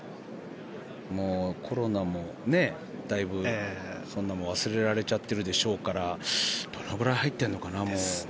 だいぶコロナもそんなものは忘れられちゃっているでしょうからどのぐらい入っているかな。